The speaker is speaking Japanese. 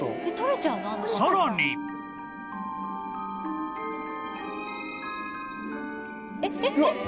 ［さらに］えっ！？